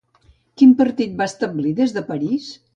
Quin partit va establir des de París?